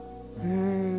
うん。